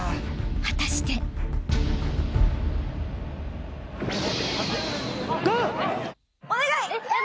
［果たして］お願い！